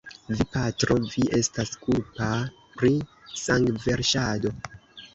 Vi, patro, vi estas kulpa pri sangverŝado!